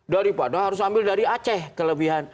daripada harus ambil dari aceh kelebihan